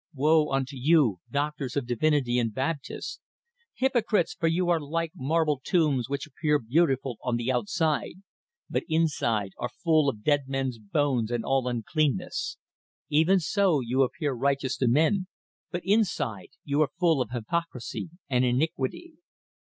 Woe unto you, doctors of divinity and Baptists, hypocrites! for you are like marble tombs which appear beautiful on the outside, but inside are full of dead men's bones and all uncleanness. Even so you appear righteous to men, but inside you are full of hypocrisy and iniquity.